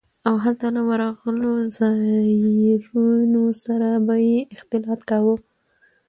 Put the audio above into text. او هلته له ورغلو زايرينو سره به يې اختلاط کاوه.